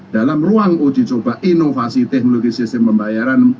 dalam ruang uji coba inovasi teknologi sistem pembayaran